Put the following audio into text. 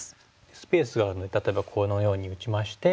スペースがあるので例えばこのように打ちまして。